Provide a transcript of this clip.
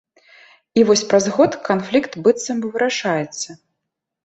І вось праз год канфлікт быццам бы вырашаецца.